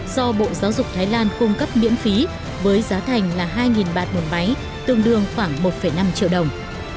do bộ giáo dục thái lan cung cấp miễn phí với giá thành là hai bạt một máy tương đương khoảng một năm triệu đồng